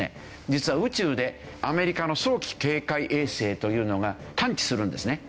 実は宇宙でアメリカの早期警戒衛星というのが探知するんですね。